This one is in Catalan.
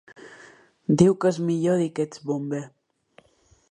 Diu que és millor dir que ets bomber.